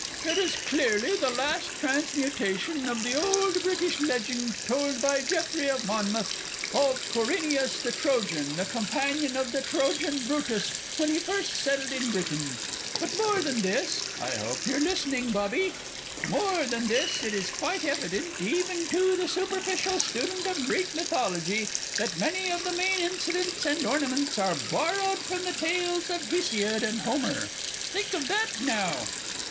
_) "It is clearly the last transmutation of the old British legend told by Geoffrey of Monmouth, of Corineus, the Trojan, the companion of the Trojan Brutus, when he first settled in Britain. But more than this" I hope you're listening, Bobby? "more than this, it is quite evident, even to the superficial student of Greek mythology, that many of the main incidents and ornaments are borrowed from the tales of Hesiod and Homer." Think of that, now!